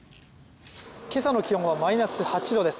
今朝の気温はマイナス８度です。